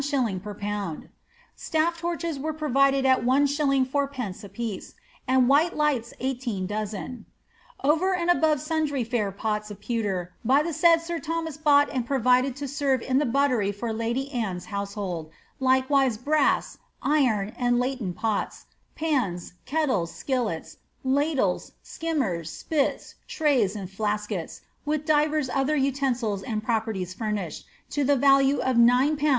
pet pound; ■uilF torrhes were provided at Is. id. a piece, and while light* eighteen d<iien Over and above sundry fair pots of pewter by the said sir Thomas bought and provided to serve in the buttery for the lady Anne'll household, likewise brass, iron, and latten pols, pans, kettles, akillet^ ladlea, skimmers, apils, irays, and flaskets, with divers other utensils ana proppriirs furnished, to the value of 9/. 6s.